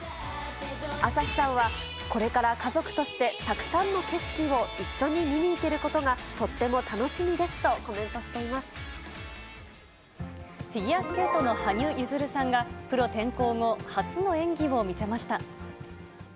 朝日さんはこれから家族として、たくさんの景色を一緒に見にいけることがとっても楽しみですとコフィギュアスケートの羽生結弦さんが、プロ転向後、初の演技を見せました。